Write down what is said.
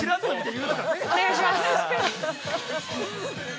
◆お願いします。